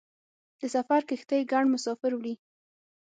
د سفر کښتۍ ګڼ مسافر وړي.